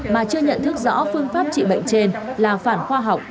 mà chưa nhận thức rõ phương pháp trị bệnh trên là phản khoa học